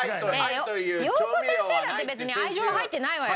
ようこ先生だって別に愛情は入ってないわよ